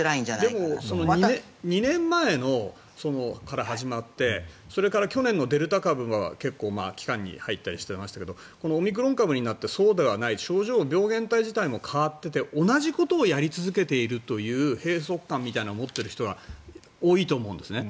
でも、２年前から始まってそれから去年のデルタ株は結構、期間に入ったりしていましたがオミクロン株になってそうではない、病原体自体も変わっていて同じことをやり続けているという閉塞感みたいなのを持っている人は多いと思うんですね。